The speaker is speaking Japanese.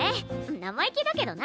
生意気だけどな。